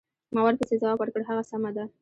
ما ورپسې ځواب ورکړ: هغه سمه ده.